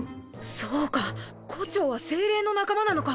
そうか胡蝶は精霊の仲間なのか。